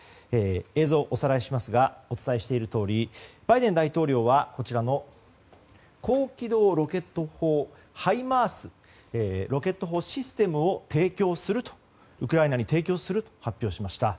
映像をおさらいしますがお伝えしているとおりバイデン大統領は高機動ロケット砲システムハイマースをウクライナに提供すると発表しました。